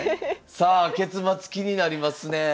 さあ結末気になりますねえ。